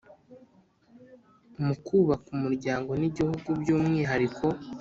mu kubaka umuryango nigihugu byumwihariko